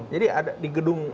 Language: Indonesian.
jadi ada di gedung